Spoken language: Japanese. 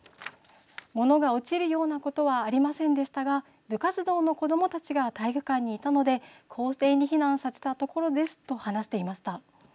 物が落ちるようなことはありませんでしたが部活動の子どもたちが体育館にいたので校庭に避難させたところですと話していました。